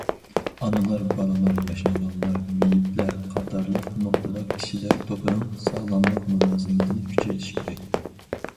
ئانىلار، بالىلار، ياشانغانلار، مېيىپلەر قاتارلىق نۇقتىلىق كىشىلەر توپىنىڭ ساغلاملىق مۇلازىمىتىنى كۈچەيتىش كېرەك.